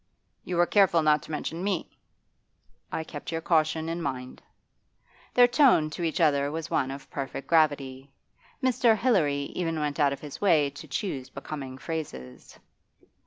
'You were careful not to mention me?' 'I kept your caution in mind.' Their tone to each other was one of perfect gravity. Mr. Hilary even went out of his way to choose becoming phrases.